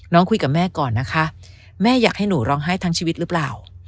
คุยกับแม่ก่อนนะคะแม่อยากให้หนูร้องไห้ทั้งชีวิตหรือเปล่า